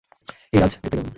এই রাজ দেখতে কেমন?